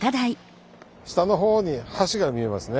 下の方に橋が見えますね。